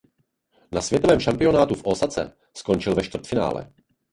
Na světovém šampionátu v Ósace skončil ve čtvrtfinále.